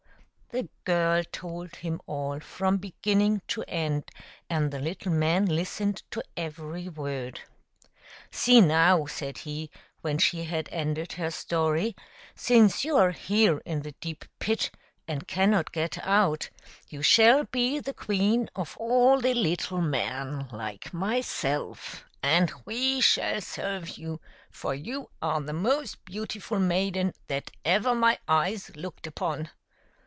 The girl told him all from beginning to end, and the little man listened to every word. " See, now," said he, when she had ended her story. " Since you arc here in the deep pit and cannot get out, you shall be the queen of all the f 154 THE STEP MOTHER. little men like myself, and we shall serve you, for you are the most beautiful maiden that ever my eyes looked upon.